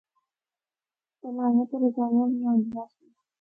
تلائیاں تے رضائیاں وی ہوندیاں سی۔